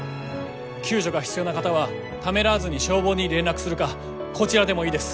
救助が必要な方はためらわずに消防に連絡するかこちらでもいいです。